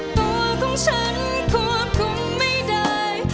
ตัวของฉันควบคุมไม่ได้